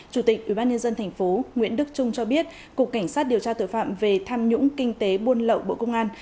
chủ tịch ubnd tp nguyễn đức trung cho biết cục cảnh sát điều tra tội phạm về tham nhũng kinh tế buôn lậu bộ công an